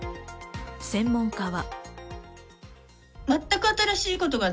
専門家は。